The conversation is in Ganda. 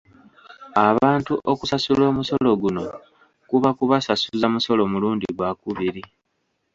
Abantu okusasula omusolo guno kuba ku basasuza musolo mulundi gwakubiri.